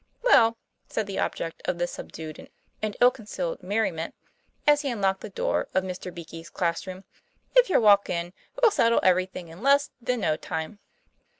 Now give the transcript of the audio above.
"Well," said the object of this subdued and ill concealed merriment, as he unlocked the door of Mr. Beakey's class room, "if you'll walk in, we'll settle everything in less than no time."